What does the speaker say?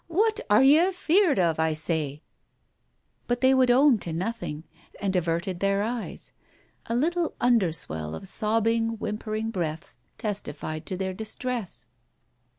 What are ye afeared of, I say ?" But they would own to nothing, and averted their eyes. A little underswell of sobbing, whimpering breaths testified to their distress.